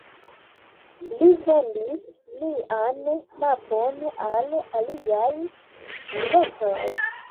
Li vendis lian mapon al aliaj pilotoj.